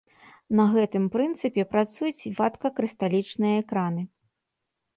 На гэтым прынцыпе працуюць вадкакрысталічныя экраны.